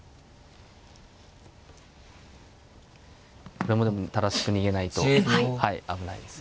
これもでも正しく逃げないと危ないですね。